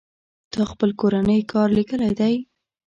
تا خپل کورنۍ کار ليکلى دئ.